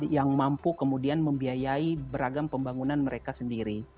yang mampu kemudian membiayai beragam pembangunan mereka sendiri